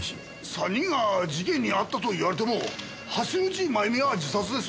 ３人が事件に遭ったと言われても橋口まゆみは自殺です。